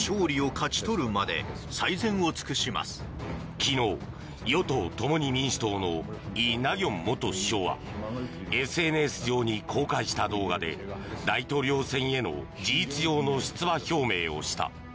昨日、与党・共に民主党のイ・ナギョン元首相はＳＮＳ上に公開した動画で大統領選への事実上の出馬表明をした。